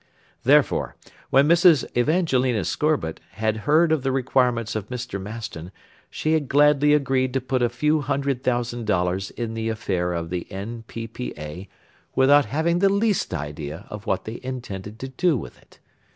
Therefore when Mrs. Evangelina Scorbitt had heard of the requirements of Mr. Maston she had gladly agreed to put a few hundred thousand dollars in the affair of the N.P.P.A. without having the least idea of what they intended to do with it.